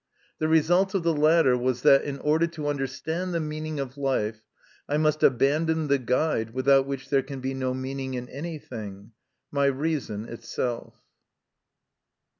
The result of the latter was that, in order to understand the meaning of life, I must abandon the guide without which there can be no mean ing in anything my reason itsel IX.